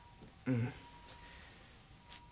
うん？